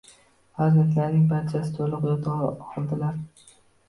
Farzandlarining barchasi toʻliq yod oldilar